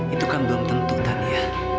itu kan belum tentu tania